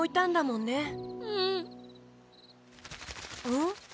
うん？